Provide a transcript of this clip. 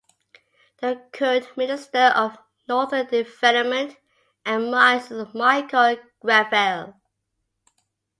The current Minister of Northern Development and Mines is Michael Gravelle.